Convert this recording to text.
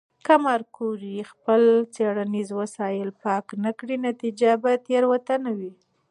که ماري کوري خپل څېړنیز وسایل پاک نه کړي، نتیجه به تېروتنه وي.